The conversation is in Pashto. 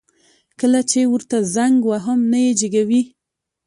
کله چي ورته زنګ وهم نه يي جګوي